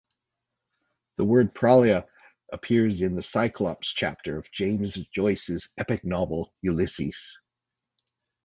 The word pralaya appears in the Cyclops chapter of James Joyce's epic novel "Ulysses".